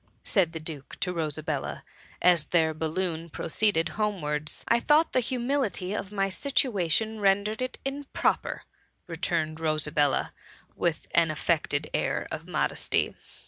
said the Duke to Rosabelk, as their balloon proceeded homewards. *' I thought the humility of my situation ren dered it improper,'*' returned Rosabella, with an affected air of modesty.